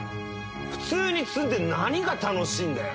普通に積んで何が楽しいんだよ。